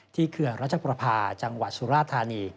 ที่เกือบรรจประภาจังหวัดสุราธานี